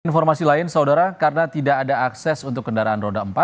informasi lain saudara karena tidak ada akses untuk kendaraan roda empat